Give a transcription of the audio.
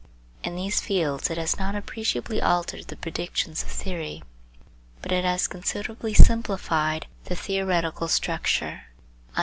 In these fields it has not appreciably altered the predictions of theory, but it has considerably simplified the theoretical structure, i.